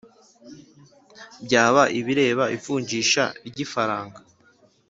Byaba ibireba ivunjisha ry’ ifaranga